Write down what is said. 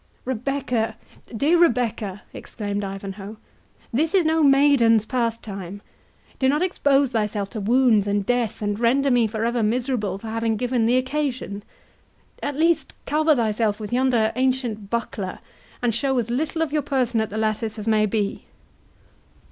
"Rebecca, dear Rebecca!" exclaimed Ivanhoe, "this is no maiden's pastime—do not expose thyself to wounds and death, and render me for ever miserable for having given the occasion; at least, cover thyself with yonder ancient buckler, and show as little of your person at the lattice as may be."